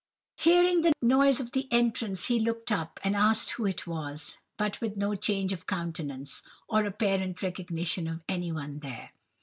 Hearing the noise of the entrance, he looked up, and asked who it was, but with no change of countenance, or apparent recognition of anyone there.